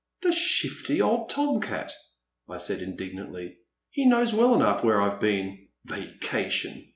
*' The shifty old tom cat! " I said, indignantly, he knows well enough where I 've been. Va cation